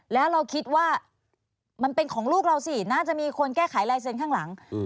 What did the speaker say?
แล้วเราคิดว่ามันเป็นของลูกเราสิน่าจะมีคนแก้ไขลายเซ็นต์ข้างหลัง